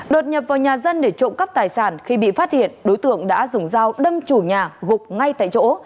đột nhập vào nhà dân để trộm cắp tài sản khi bị phát hiện đối tượng đã dùng dao đâm chủ nhà gục ngay tại chỗ